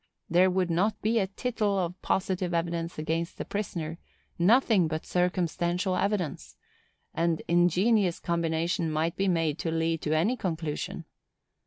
There would not be a tittle of positive evidence against the prisoner, nothing but circumstantial evidence; and ingenious combination might be made to lead to any conclusion.